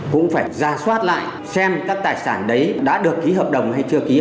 cũng phải ra soát lại xem các tài sản đấy đã được ký hợp đồng hay chưa ký